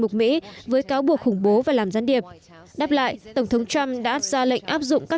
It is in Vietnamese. mục mỹ với cáo buộc khủng bố và làm gián điệp đáp lại tổng thống trump đã ra lệnh áp dụng các